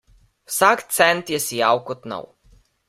Vsak cent je sijal kot nov.